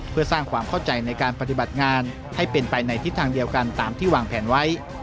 เพื่อสร้างความเข้าใจในการปฏิบัติงานให้เป็นไปในทิศทางเดียวกันตามที่วางแผนไว้